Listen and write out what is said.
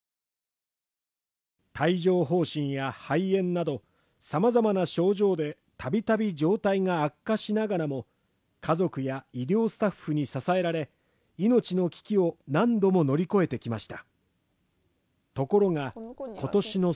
帯状疱疹や肺炎などさまざまな症状でたびたび状態が悪化しながらも家族や医療スタッフに支えられ命の危機を何度も乗り越えてきました。